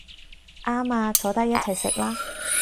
啱吖，坐低一齊食啦